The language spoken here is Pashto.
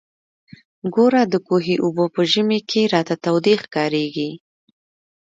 ګوره د کوهي اوبه په ژمي کښې راته تودې ښکارېږي.